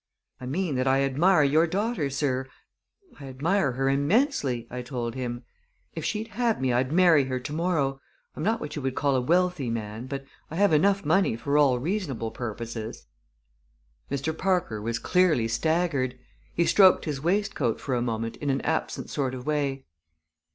"I mean that I admire your daughter, sir I admire her immensely," I told him. "If she'd have me I'd marry her to morrow, I am not what you would call a wealthy man, but I have enough money for all reasonable purposes." Mr. Parker was clearly staggered. He stroked his waistcoat for a moment in an absent sort of way.